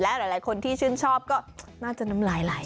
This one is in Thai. หลายคนที่ชื่นชอบก็น่าจะน้ำลายไหล